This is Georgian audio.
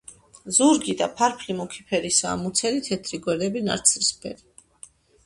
ზურგი და ფარფლი მუქი ფერისაა, მუცელი თეთრი, გვერდები ნაცრისფერი.